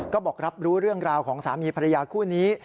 ก็บอกรับรู้เรื่องราวของสามีภรรยาคู่นี้